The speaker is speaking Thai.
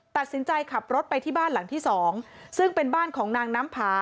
ตัดสินใจขับรถไปที่บ้านหลังที่สองซึ่งเป็นบ้านของนางน้ำผา